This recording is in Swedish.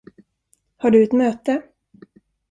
Har du ett möte?